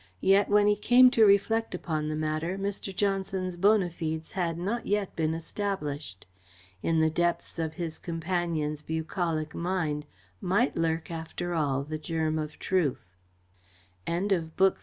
Yet, when he came to reflect upon the matter, Mr. Johnson's bona fides had not yet been established. In the depths of his companion's bucolic mind might lurk after all the germ of truth.